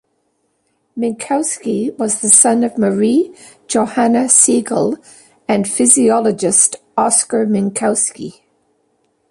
Minkowski was the son of Marie Johanna Siegel and physiologist Oskar Minkowski.